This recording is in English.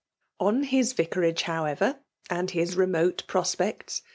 .. On his vicarage, however, and his remote prospects.